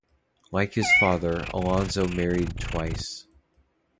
Like his father, Alfonso married twice.